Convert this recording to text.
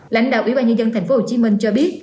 lãnh đạo ủy ban nhân dân tp hcm cho biết